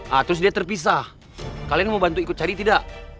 nah terus dia terpisah kalian mau bantu ikut cari tidak